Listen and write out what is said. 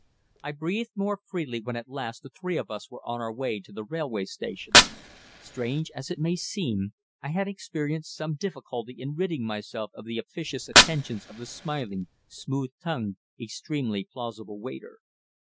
I breathed more freely when at last the three of us were on our way to the railway station. Strange as it may seem, I had experienced some difficulty in ridding myself of the officious attentions of the smiling, smooth tongued, extremely plausible waiter.